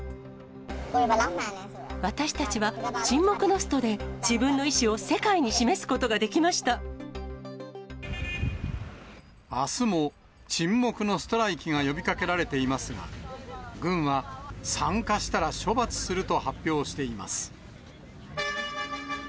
私たちは沈黙のストで、自分の意志を世界に示すことがであすも、沈黙のストライキが呼びかけられていますが、軍は、参加したら処罰すると発表しています。